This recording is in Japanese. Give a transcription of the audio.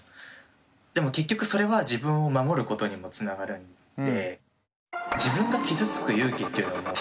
でも結局それは自分を守ることにもつながるんで。